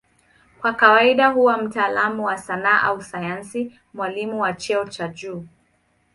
Kwa kawaida huwa mtaalamu wa sanaa au sayansi, mwalimu wa cheo cha juu.